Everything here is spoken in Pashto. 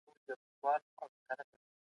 تېر وضعیت ته په کتو پلان جوړ کړئ.